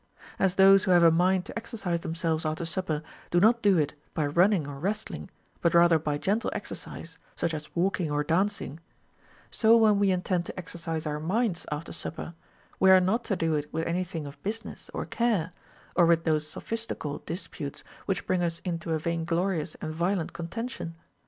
As those who have a mind to exercise themselves after supper do not do it by running or wrestling, but rather by gentle exercise, such as walking or dancing ; so when we intend to exercise our minds after supper, we are not to do it with any thing of business or care, or with those sophistical disputes which bring us into a vain glorious and violent contention.